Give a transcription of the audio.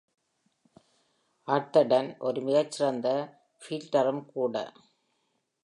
Atherton ஒரு மிகச்சிறந்த ஃபீல்டரும் கூட.